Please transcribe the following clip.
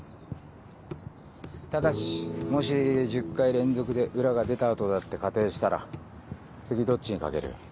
ただしもし１０回連続で裏が出た後だって仮定したら次どっちに賭ける？